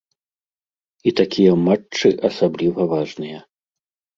І такія матчы асабліва важныя.